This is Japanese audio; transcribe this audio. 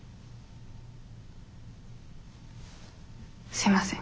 すいません。